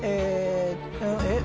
えっ？